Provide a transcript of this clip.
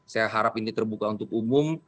saya harap ini terbuka untuk umum